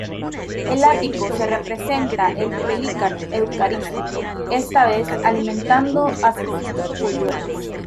El ático se representa el Pelícano Eucarístico, esta vez alimentando a sus polluelos.